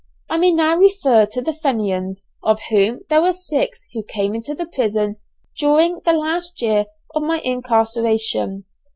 I may now refer to the Fenians, of whom there were six who came to the prison during the last year of my incarceration.